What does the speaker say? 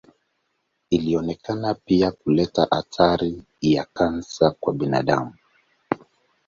Ilionekana pia kuleta hatari ya kansa kwa binadamu.